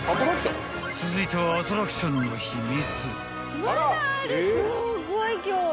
［続いてはアトラクションの秘密］